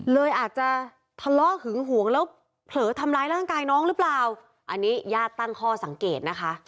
เลยอาจจะถล่อหึงหวงแล้วเผลอทำร้ายร่างกายน้องรึเปล่าอันนี้ยาร์ดตั้งข้อสังเกต